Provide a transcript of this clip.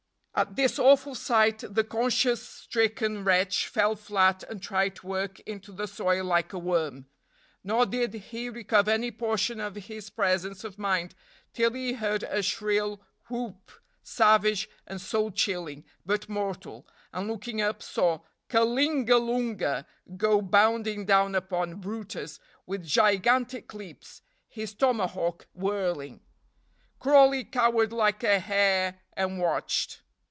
At this awful sight the conscience stricken wretch fell flat and tried to work into the soil like a worm. Nor did he recover any portion of his presence of mind till he heard a shrill whoop, savage and soul chilling, but mortal, and, looking up, saw Kalingalunga go bounding down upon brutus with gigantic leaps, his tomahawk whirling. Crawley cowered like a hare and watched.